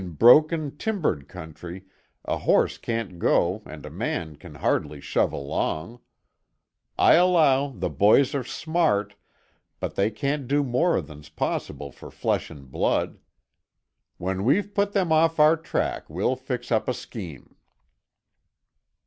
In broken, timbered country a horse can't go and a man can hardly shove along. I allow the boys are smart, but they can't do more than's possible for flesh and blood. When we've put them off our track we'll fix up a scheme."